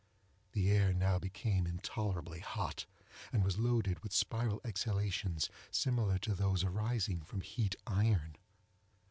The air now became intolerably hot, and was loaded with spiral exhalations similar to those arising from heat iron.